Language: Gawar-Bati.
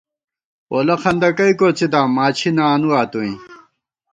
پولہ خندَکَئ کوڅِداؤم، ماچھی نہ آنُوا توئیں